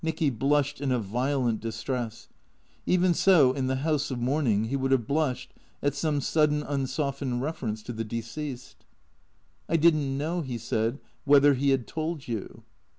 Nicky blushed in a violent distress. Even so, in the house of mourning, he would have blushed at some sudden, unsoftened reference to the deceased. " I did n't know," he said, " whether he had told you."